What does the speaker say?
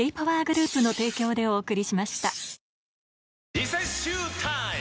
リセッシュータイム！